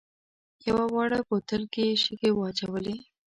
یوه واړه بوتل کې یې شګې واچولې.